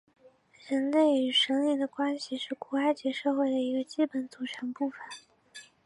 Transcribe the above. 人类与神灵的关系是古埃及社会的一个基本组成部分。